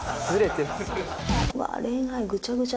うわ。